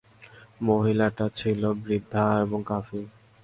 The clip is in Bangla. মহিলাটি ছিল বৃদ্ধা এবং কাফির।